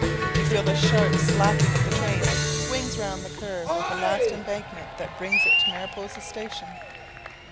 You feel the sharp slackening of the train as it swings round the curve of the last embankment that brings it to the Mariposa station.